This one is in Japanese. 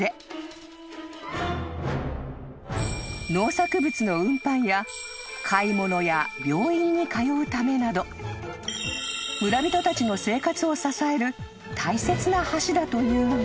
［農作物の運搬や買い物や病院に通うためなど村人たちの生活を支える大切な橋だというが］